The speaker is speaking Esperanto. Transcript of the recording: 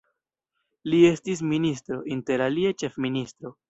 Li estis ministro, interalie ĉefministro.